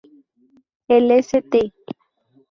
El St.